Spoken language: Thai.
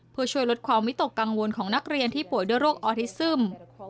เพื่อช่วยลดความวิตกกังวลของนักเรียนที่ป่วยด้วยโรคออทิซึม